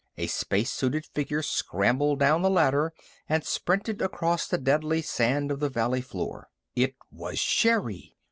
A spacesuited figure scrambled down the ladder and sprinted across the deadly sand of the valley floor. It was Sherri!